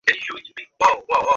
কে বিশুদ্ধ করে দেবে।